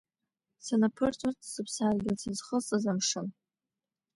Санаԥырҵуаз сыԥсадгьыл сызхысыз амшын.